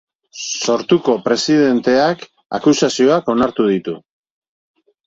Sortuko presidenteak akusazioak onartu ditu.